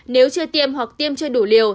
nếu chưa tiêm hoặc tiêm chưa đủ liều